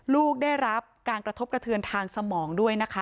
ลูกได้รับการกระทบกระเทือนทางสมองด้วยนะคะ